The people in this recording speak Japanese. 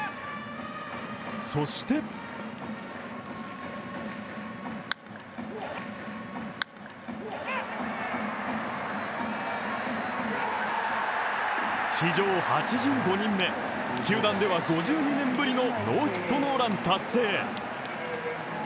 そして史上８５人目、球団では５２年ぶりのノーヒットノーラン達成。